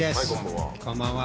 はいこんばんは。